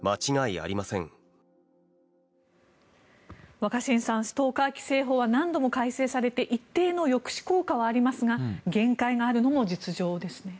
若新さんストーカー規制法は何度も改正されて一定の抑止効果はありますが限界があるのも実情ですね。